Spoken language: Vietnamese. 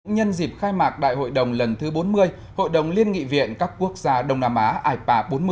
nhân dịp khai mạc đại hội đồng lần thứ bốn mươi hội đồng liên nghị viện các quốc gia đông nam á ipa bốn mươi